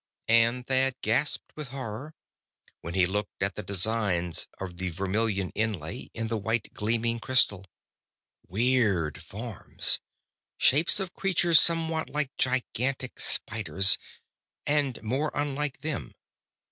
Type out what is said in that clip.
And Thad gasped with horror, when he looked at the designs of the vermilion inlay, in the white, gleaming crystal. Weird forms. Shapes of creatures somewhat like gigantic spiders, and more unlike them.